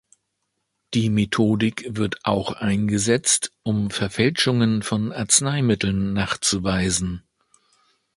Die Methodik wird auch eingesetzt, um Verfälschungen von Arzneimitteln nachzuweisen.